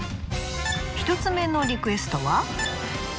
１つ目のリクエストは？